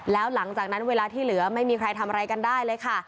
แล้วหลังจากนั้นเวลาที่เหลือไม่มีใครทำอะไรกันได้เลยค่ะ